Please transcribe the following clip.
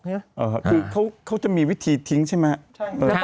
คือเขาจะมีวิธีทิ้งใช่ไหม